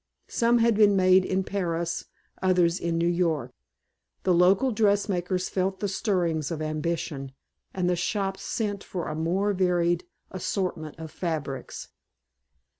Some had been made in Paris, others in New York. The local dressmakers felt the stirrings of ambition, and the shops sent for a more varied assortment of fabrics.